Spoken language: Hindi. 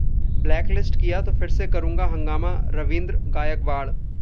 ब्लैक लिस्ट किया तो फिर करूंगा हंगामा: रवींद्र गायकवाड़